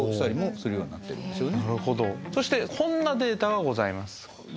そしてこんなデータがございます。